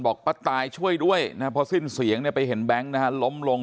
บอกป้าตายช่วยด้วยพอสิ้นเสียงไปเห็นแบงค์ล้มลง